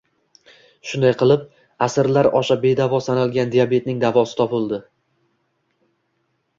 Shunday qilib, asrlar osha bedavo sanalgan diabetning davosi topildi